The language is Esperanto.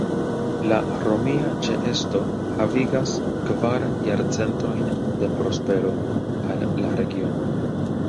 La romia ĉeesto havigas kvar jarcentojn de prospero al la regiono.